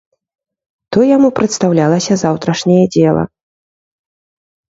То яму прадстаўлялася заўтрашняе дзела.